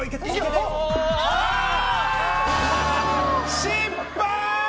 失敗！